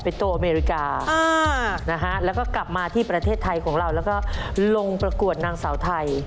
โตอเมริกานะฮะแล้วก็กลับมาที่ประเทศไทยของเราแล้วก็ลงประกวดนางสาวไทย